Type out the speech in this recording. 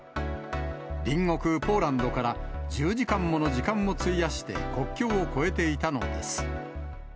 隣国ポーランドから１０時間もの時間を費やして国境を越えていたのです。